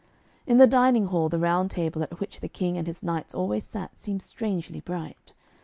In the dining hall the Round Table at which the King and his knights always sat seemed strangely bright.